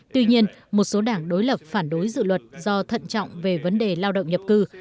tuy nhiên một số đảng đối lập phản đối dự luật do thận trọng về vấn đề lao động nhập cư